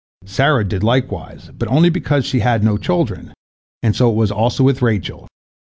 Sarah did likewise, but only because she had no children, and so it was also with Rachel.